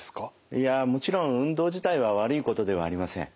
いやもちろん運動自体は悪いことではありません。